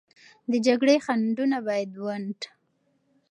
د جګړې خنډونه باید ونډ